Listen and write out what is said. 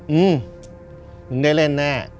อืมมึงได้เล่นแน่